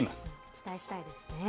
期待したいですね。